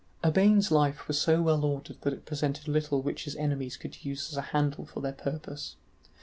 Urbain's life was so well ordered that it presented little which his enemies could use as a handle for their purpose.